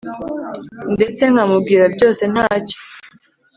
ndetse nkamubwira byose ntacyo